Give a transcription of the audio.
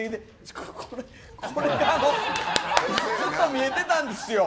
これがずっと見えていたんですよ。